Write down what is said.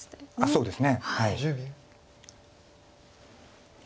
そうですね。